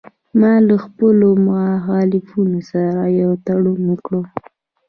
ما له خپلو مخالفینو سره یو تړون وکړ